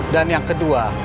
dan yang kedua